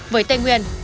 với tây nguyên